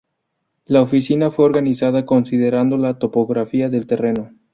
Lo oficina fue organizada considerando la topografía del terreno.